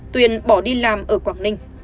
tuyền bỏ đi làm ở quảng ninh